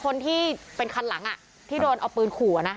คนที่เป็นคันหลังที่โดนเอาปืนขู่